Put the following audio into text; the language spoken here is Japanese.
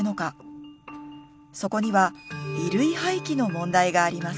そこには衣類廃棄の問題があります。